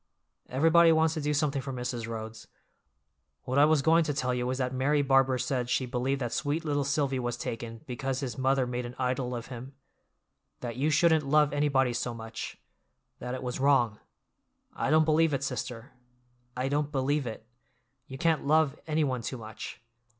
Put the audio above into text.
Everybody wants to do something for Mrs. Rhodes. What I was going to tell you was that Mary Barbour said she believed that sweet little Silvy was taken because his mother made an idol of him; that you shouldn't love anybody so much—that it was wrong. I don't believe it, sister! I don't believe it; you can't love anyone too much!